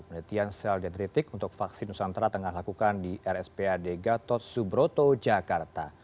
penelitian sel dendritik untuk vaksin nusantara tengah lakukan di rspad gatot subroto jakarta